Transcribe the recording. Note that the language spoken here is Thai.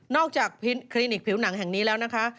จากคลินิกผิวหนังแห่งนี้แล้วนะคะ